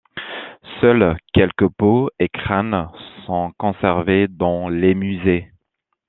Seuls quelques peaux et crânes sont conservés dans les musées.